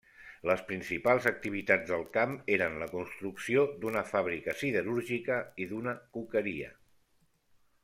Les principals activitats del camp eren la construcció d'una fàbrica siderúrgica i d'una coqueria.